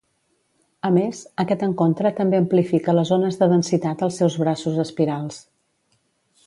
A més, aquest encontre també amplifica les ones de densitat als seus braços espirals.